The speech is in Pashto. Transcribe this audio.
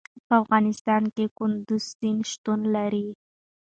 په افغانستان کې کندز سیند شتون لري.